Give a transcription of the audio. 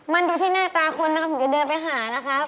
มันดูที่หน้าตาคนนะครับผมจะเดินไปหานะครับ